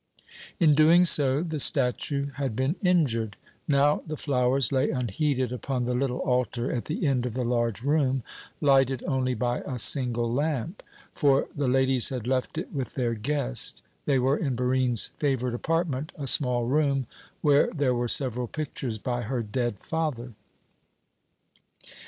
In doing so the statue had been injured. Now the flowers lay unheeded upon the little altar at the end of the large room, lighted only by a single lamp; for the ladies had left it with their guest. They were in Barine's favourite apartment, a small room, where there were several pictures by her dead father.